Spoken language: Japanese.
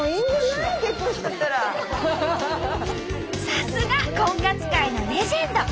さすが婚活界のレジェンド！